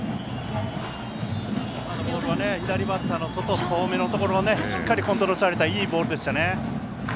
今のボールは左バッターの外遠めのところをしっかりコントロールされたいいボールでしたね。